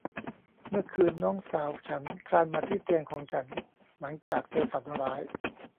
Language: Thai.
เมื่อคืนน้องสาวฉันคลานมาที่เตียงของฉันหลังจากเธอฝันร้าย